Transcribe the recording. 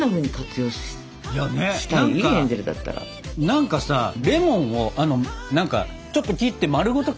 何かさレモンを何かちょっと切って丸ごと